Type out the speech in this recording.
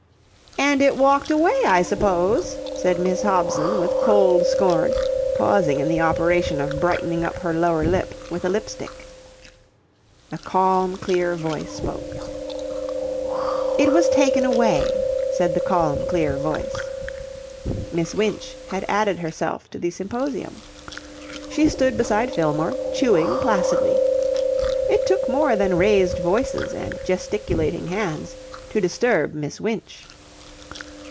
"And it walked away, I suppose," said Miss Hobson with cold scorn, pausing in the operation of brightening up her lower lip with a lip stick. A calm, clear voice spoke. "It was taken away," said the calm, clear voice. Miss Winch had added herself to the symposium. She stood beside Fillmore, chewing placidly. It took more than raised voices and gesticulating hands to disturb Miss Winch.